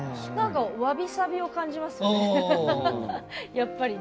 わびさびを感じますよね。